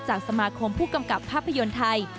สมาคมผู้กำกับภาพยนตร์ไทย